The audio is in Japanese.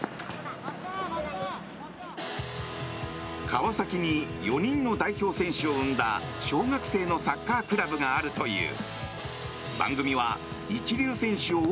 川崎に４人の代表選手を生んだ小学生のサッカークラブがあるという。